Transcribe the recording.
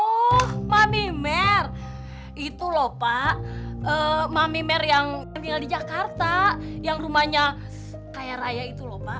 oh mami mer itu lho pak mami mer yang tinggal di jakarta yang rumahnya kaya raya itu lho pak